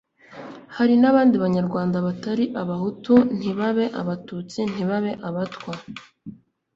hari n'abandi banyarwanda batari abahutu ntibabe abatutsi, ntibabe abatwa